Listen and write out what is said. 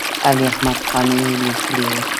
علي احمد قانع یې لیکلی و.